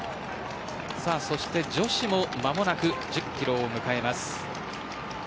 女子も間もなく１０キロを迎えます。